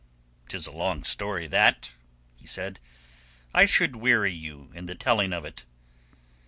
"'Tis a long story that," he said. "I should weary you in the telling of it."